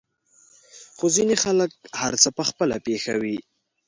خو ځينې خلک هر څه په خپله پېښوي.